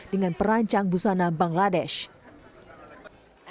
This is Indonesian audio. dan memperkenalkan pengusaha batik indonesia